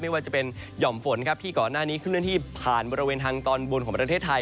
ว่าจะเป็นหย่อมฝนครับที่ก่อนหน้านี้ขึ้นเนินที่ผ่านบริเวณทางตอนบนของประเทศไทย